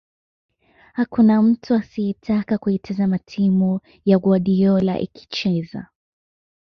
Hakuna mtu asiyetaka kuitazama timu ya Guardiola ikicheza